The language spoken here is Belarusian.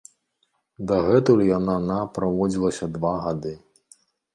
Дагэтуль яна на праводзілася два гады.